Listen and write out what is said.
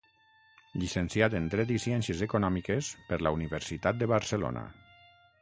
Llicenciat en Dret i Ciències Econòmiques per la Universitat de Barcelona.